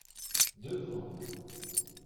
Deux grandes.